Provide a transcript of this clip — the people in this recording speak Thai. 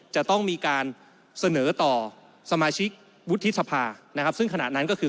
จะต้องมีการเสนอต่อสมาชิกวุฒิสภานะครับซึ่งขณะนั้นก็คือ